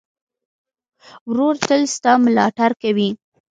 ورور تل ستا ملاتړ کوي.